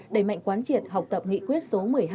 đẩy mạnh quán triệt học tập nghị quyết số một mươi hai